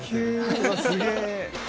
うわすげぇ！